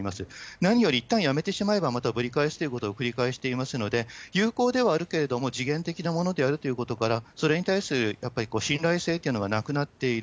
何よりいったんやめてしまえば、またぶり返すということを繰り返していますので、有効ではあるけれども、時限的なものであるということから、それに対する、やっぱり信頼性っていうのがなくなっている。